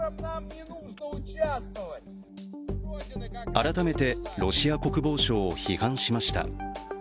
改めてロシア国防省を批判しました。